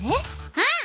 うん！